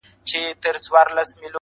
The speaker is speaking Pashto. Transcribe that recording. پر دا خپله خرابه مېنه مین یو،